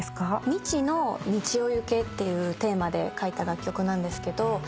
「未知の道を行け」っていうテーマで書いた楽曲なんですけど。